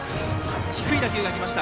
低い打球が行きました。